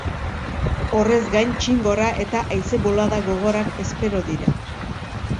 Horrez gain, txingorra eta haize-bolada gogorrak espero dira.